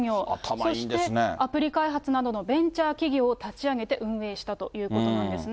そしてアプリ開発などのベンチャー企業を立ち上げて運営したということなんですね。